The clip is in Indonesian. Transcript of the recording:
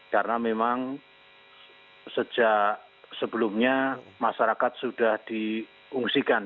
karena memang sejak sebelumnya masyarakat sudah diungsikan